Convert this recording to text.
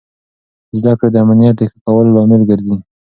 زده کړه د امنیت د ښه کولو لامل ګرځي.